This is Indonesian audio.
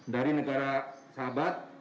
dari negara sahabat